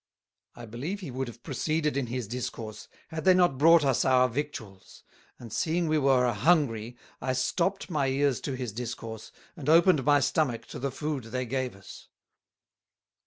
I believe he would have proceeded in his Discourse, had they not brought us our Victuals; and seeing we were a hungry, I stopt my Ears to his discourse, and opened my Stomack to the Food they gave us.